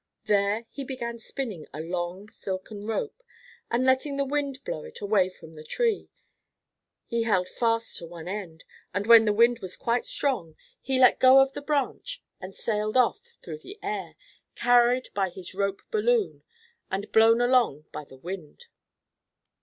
There he began spinning a long silken rope, and letting the wind blow it away from the tree. He held fast to one end, and when the wind was quite strong, he let go of the branch and sailed off through the air, carried by his rope balloon, and blown along by the wind.